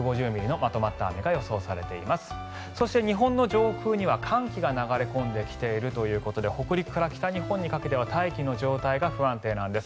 また、日本の上空には寒気が流れ込んできているということで北陸から北日本は大気の状態が不安定です。